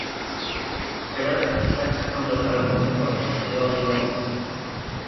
Gerhardt y Sax contrataron músicos londinenses.